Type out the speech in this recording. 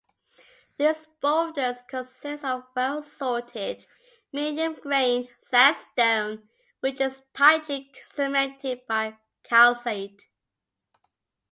These boulders consist of well-sorted, medium-grained sandstone, which is tightly cemented by calcite.